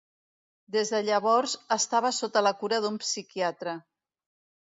Des de llavors estava sota la cura d'un psiquiatre.